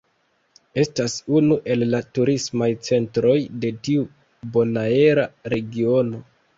Estas unu el la turismaj centroj de tiu bonaera regiono.